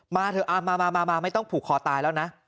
เถอะมาไม่ต้องผูกคอตายแล้วนะ